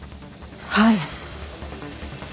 はい。